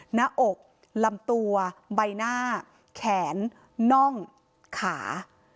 หน้าอกลำตัวใบหน้าแขนน่องขา